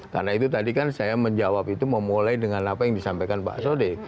karena itu tadi kan saya menjawab itu memulai dengan apa yang disampaikan pak sode